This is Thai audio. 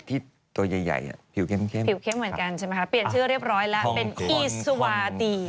ผิวเค็มใช่ไหมคะเปลี่ยนชื่อเรียบร้อยแล้วเป็นอีสวาติ